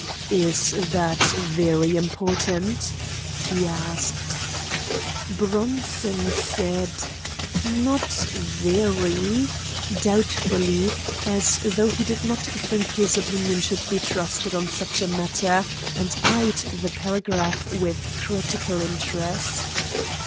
"Is that very important?" he asked. Bronson said, "Not very," doubtfully, as though he did not think his opinion should be trusted on such a matter, and eyed the paragraph with critical interest.